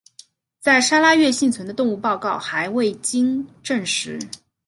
在砂拉越幸存的动物报告则还未经证实。